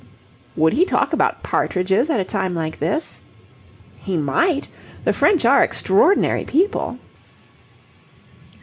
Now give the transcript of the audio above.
"Would he talk about partridges at a time like this?" "He might. The French are extraordinary people."